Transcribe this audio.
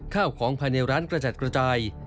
ข้าวของภายในร้านกระจัดกระจาย